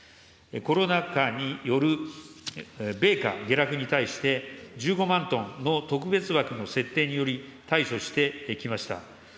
コロナ禍による米価下落に対して、１５万トンの特別枠の設定により対処してきました。